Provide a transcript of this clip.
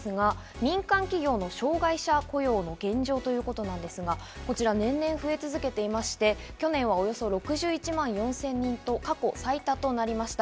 民間企業の障害者雇用の減少ということですが、年々増え続けていまして、去年はおよそ６１万４０００人と過去最多となりました。